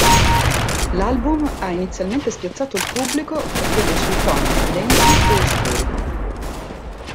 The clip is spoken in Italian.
L'album ha inizialmente spiazzato il pubblico per via dei suoi toni lenti e oscuri.